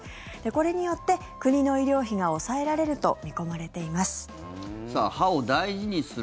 これによって国の医療費が抑えられると見込まれています。